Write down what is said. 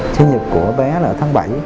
sinh nhật của bé là tháng bảy